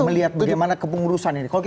melihat bagaimana kepengurusan ini